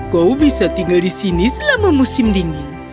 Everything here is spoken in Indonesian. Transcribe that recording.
kau bisa tinggal di sini selama musim dingin